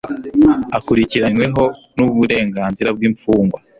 akurikiranyweho n uburenganzira bw imfungwa